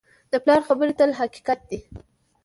د پلار خبرې تل حقیقت لري.